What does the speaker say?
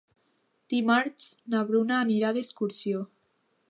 Dimarts na Bruna anirà d'excursió.